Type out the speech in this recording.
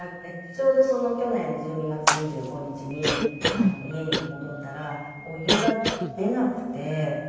ちょうど去年１２月２５日に家に戻ったらお湯が出なくて。